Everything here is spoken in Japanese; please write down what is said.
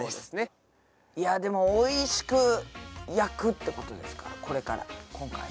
いやでもおいしく焼くってことですからこれから今回は。